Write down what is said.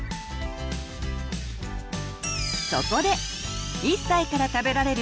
そこで「１歳から食べられる！